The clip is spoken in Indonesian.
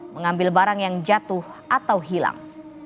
mengambil barang yang jatuh atau hilang